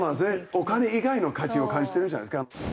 お金以外の価値を感じてるんじゃないですか？